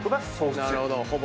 なるほど。